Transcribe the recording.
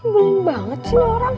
beling banget sih orang